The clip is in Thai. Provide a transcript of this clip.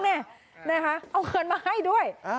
เอาเงินมาให้ด้วย